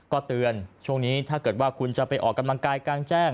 ก็เตือนช่วงนี้ถ้าเกิดว่าคุณจะไปออกกำลังกายกลางแจ้ง